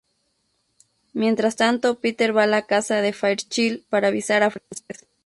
Mientras tanto, Peter va a la casa de Fairchild para avisar a Frances.